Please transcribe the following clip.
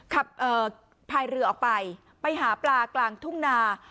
พายเรือออกไปไปหาปลากลางทุ่งนา